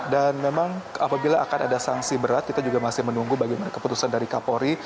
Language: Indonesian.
dan memang apabila akan ada sanksi berat kita juga masih menunggu bagaimana keputusan dari kapolri